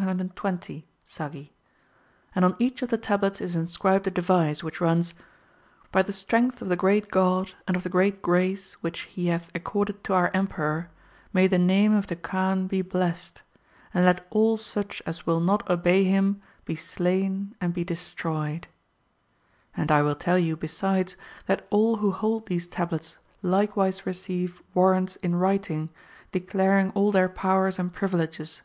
THE KAAN'S REWARDS TO HIS CAPTAINS 35 I each of the tablets is inscribed a device, which runs : ""By the strength of the great God, and of the great grace ivhich He hath accorded to ozir Emperor, may the name of the Kaan be blessed; and let all such as will not obey him be slain and be destroyed'' And I will tell you besides that all who hold these tablets likewise receive warrants in writing, declaring all their powers and privileges.